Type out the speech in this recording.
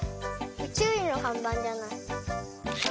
ちゅういのかんばんじゃない？